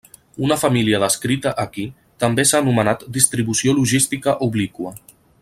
Una família descrita aquí també s'ha anomenat distribució logística obliqua.